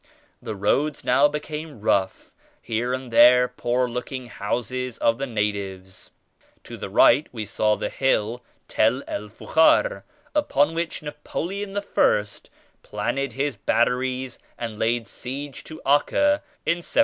The roads now became rough ; here and there poor looking houses of the natives. To the right we saw the hill Tel el Fukhar upon which Napoleon I planted his batteries and laid siege to Acca in 1799.